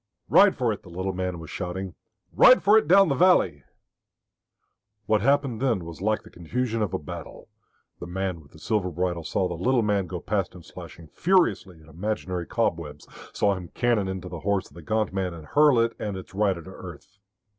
"Ride for it!" the little man was shouting. "Ride for it down the valley." What happened then was like the confusion of a battle. The man with the silver bridle saw the little man go past him slashing furiously at imaginary cobwebs, saw him cannon into the horse of the gaunt man and hurl it and its rider to earth.